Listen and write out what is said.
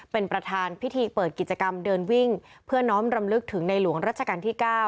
เป็นประธานพิธีเปิดกิจกรรมเดินวิ่งเพื่อน้องรำลึกถึงในหลวงรัชกาลที่๙